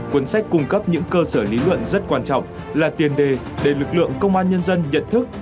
cuốn sách cung cấp những cơ sở lý luận rất quan trọng là tiền đề để lực lượng công an nhân dân nhận thức